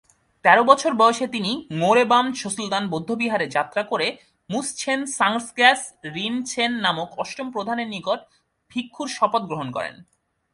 তেরো বছর বয়সে তিনি ঙ্গোর-এ-বাম-ছোস-ল্দান বৌদ্ধবিহারে যাত্রা করে মুস-ছেন-সাংস-র্গ্যাস-রিন-ছেন নামক অষ্টম প্রধানের নিকট ভিক্ষুর শপথ গ্রহণ করেন।